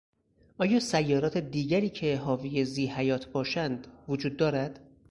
آیا سیارات دیگری که حاوی ذی حیات باشند وجود دارد؟